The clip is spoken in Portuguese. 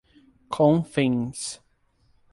Confins